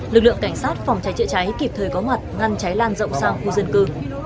lực lượng cảnh sát phòng cháy chữa cháy kịp thời có mặt ngăn cháy lan rộng sang khu dân cư